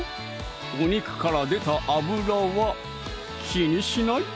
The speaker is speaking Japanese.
お肉から出た脂は気にしない！